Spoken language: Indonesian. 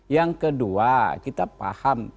yang kedua kita paham